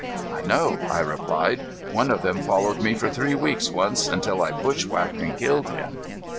"I know," I replied. "One of them followed me for three weeks once, until I bushwhacked and killed him."